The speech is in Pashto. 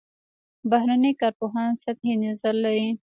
بهرني کارپوهان سطحي نظر لري.